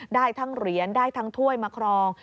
ได้ทั้งเหรียญได้ทั้งถ้วยมาครอง